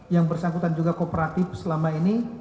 yang bersangkutan juga kooperatif selama ini